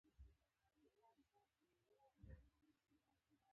ښاغلی طالب په دواړو ژبو کې خوندور اشعار وایي.